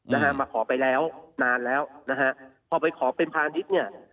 นะฮะมาขอไปแล้วนานแล้วนะฮะพอไปขอเป็นพาณิชย์เนี่ย